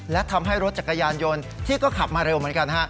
และทำให้รถจักรยานยนต์ที่ก็ขับมาเร็วเหมือนกัน